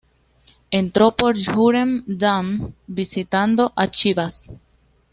Entró por Jürgen Damm, visitando a Chivas.